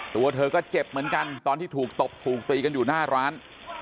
ตัวเธอก็เจ็บเหมือนกันตอนที่ถูกตบถูกตีกันอยู่หน้าร้าน